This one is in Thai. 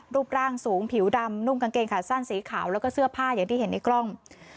รูปร่างสูงผิวดำนุ่งกางเกงขาสั้นสีขาวแล้วก็เสื้อผ้าอย่างที่เห็นในกล้อง